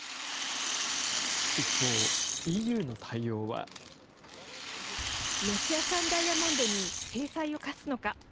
一方、ロシア産ダイヤモンドに制裁を科すのか。